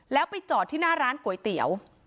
แล้วไปจอดที่หน้าร้านก๋วยเตี๋ยว